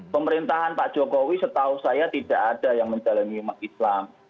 pemerintahan pak jokowi setahu saya tidak ada yang menjalani umat islam